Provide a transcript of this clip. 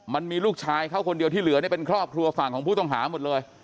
มันมีลูกชายเขาคนเดียวที่เหลือเนี่ยเป็นครอบครัวฝั่งของผู้ต้องหาหมดเลย